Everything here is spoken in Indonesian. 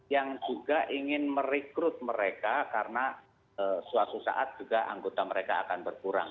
yang juga ingin merekrut mereka karena suatu saat juga anggota mereka akan berkurang